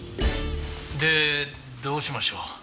でどうしましょう？